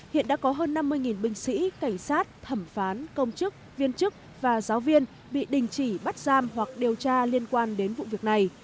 hiện đã có hơn năm mươi binh sĩ cảnh sát thẩm phán công chức viên chức và giáo viên bị đình chỉ bắt giam hoặc điều tra liên quan đến vụ việc này